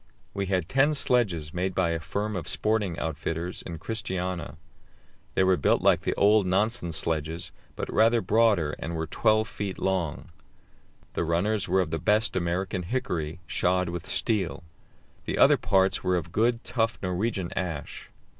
We had ten sledges made by a firm of sporting outfitters in Christiania. They were built like the old Nansen sledges, but rather broader, and were 12 feet long. The runners were of the best American hickory, shod with steel. The other parts were of good, tough Norwegian ash.